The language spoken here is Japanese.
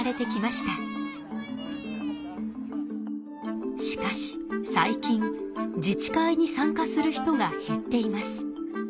しかし最近自治会に参加する人が減っています。